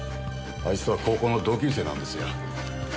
あいつとは高校の同級生なんですよ。